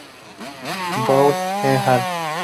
Butler "et al.